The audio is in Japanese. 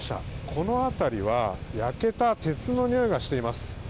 この辺りは焼けた鉄のにおいがしています。